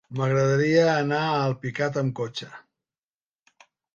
M'agradaria anar a Alpicat amb cotxe.